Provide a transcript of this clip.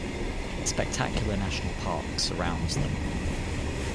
Spectacular National Parks surrounds them.